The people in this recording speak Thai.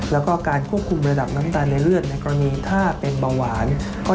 แล้วก็การควบคุมระดับน้ำตาลในเลือดในกรณีถ้าเป็นเบาหวาน